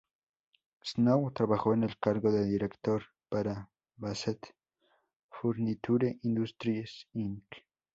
Snow trabajó en el cargo de director para Bassett Furniture Industries, Inc.